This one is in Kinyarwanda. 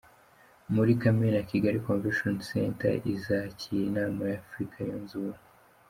Muri Kamena, Kigali Convention Centre izakira inama ya Afurika Yunze Ubumwe.